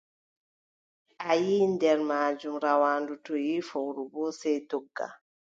A yiʼi nder maajum, rawaandu too yiʼi fowru boo, sey dogga.